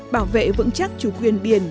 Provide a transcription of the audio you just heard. bảo vệ vững chắc chủ quyền biển